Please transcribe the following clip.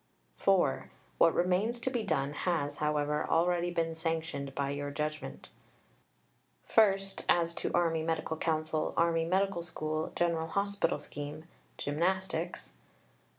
(4) What remains to be done has, however, already been sanctioned by your judgment: (i.) as to Army Medical Council, Army Medical School, General Hospital scheme, Gymnastics; (ii.)